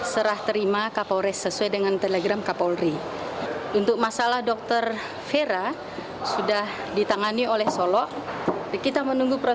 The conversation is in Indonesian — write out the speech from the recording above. serat terima jabatan yang berlangsung di ruang rapat utama polda sumatera barat